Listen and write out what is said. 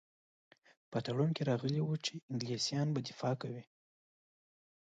په تړون کې راغلي وو چې انګلیسیان به دفاع کوي.